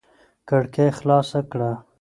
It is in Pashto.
کړکۍ خلاصه کړه.